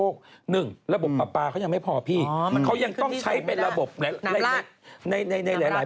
พระม่าเขาไม่ผลิตเองเนี่ย